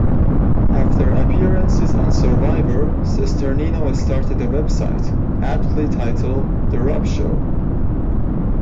After appearances on "Survivor", Cesternino started a website, aptly titled "The Rob Show".